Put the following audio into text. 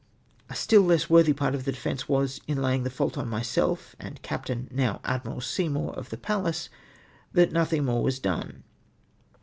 A stiU less worthy ]:)art of the defence was, in la}"ing the fault on myself and Captain, now Admiral Seymour, of the Pallas that nothing more was done.